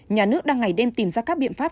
nhà nước đang ngày đêm tìm ra các biện pháp